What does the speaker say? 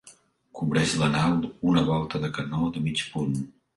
Cobreix la nau una volta de canó de mig punt.